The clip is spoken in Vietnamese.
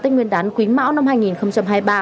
tết nguyên đán quý mão năm hai nghìn hai mươi ba